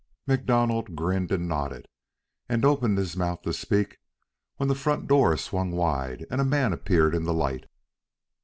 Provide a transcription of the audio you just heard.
MacDonald grinned and nodded, and opened his mouth to speak, when the front door swung wide and a man appeared in the light.